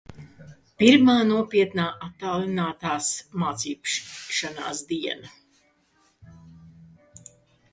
Pirmā nopietnā attālinātās mācīšanās diena...